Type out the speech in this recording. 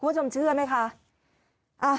คุณผู้ชมเชื่อไหมคะ